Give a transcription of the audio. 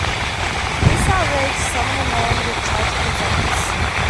This outraged some of the men, with tragic results.